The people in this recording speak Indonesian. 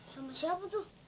sama siapa tuh